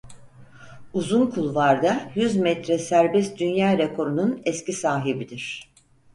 Uzun Kulvarda yüz metre serbest dünya rekorunun eski sahibidir.